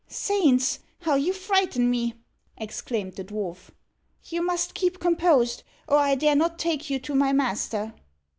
"Saints! how you frighten me!" exclaimed the dwarf. "You must keep composed, or I dare not take you to my master."